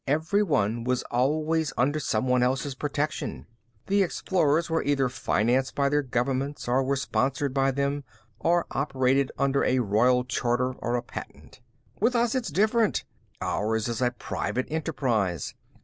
Everyone was always under someone else's protection. The explorers either were financed by their governments or were sponsored by them or operated under a royal charter or a patent. With us, it's different. Ours is a private enterprise.